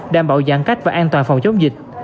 đảm bảo giãn cách và an toàn phòng chống dịch